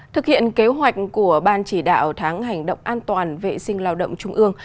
thực hiện kế hoạch của ban chỉ đạo tháng hành động an toàn vệ sinh lao động trung ương